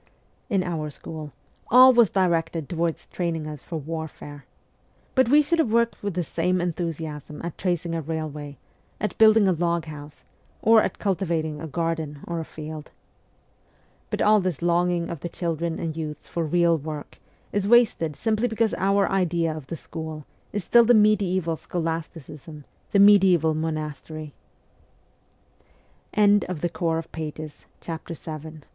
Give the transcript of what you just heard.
In our school all was directed towards training us for warfare. But we should have worked with the same enthusiasm at tracing a railway, at building a log house, or at cultivating a garden or a field. But all this long ing of the children and youths for real work is wasted simply because our idea of the school is still the mediae v